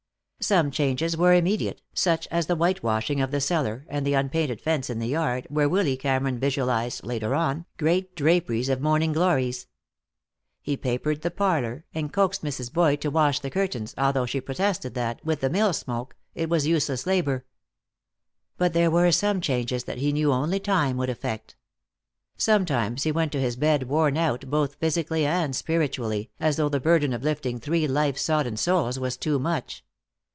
Some changes were immediate, such as the white washing of the cellar and the unpainted fence in the yard, where Willy Cameron visualized, later on, great draperies of morning glories. He papered the parlor, and coaxed Mrs. Boyd to wash the curtains, although she protested that, with the mill smoke, it was useless labor. But there were some changes that he knew only time would effect. Sometimes he went to his bed worn out both physically and spiritually, as though the burden of lifting three life sodden souls was too much.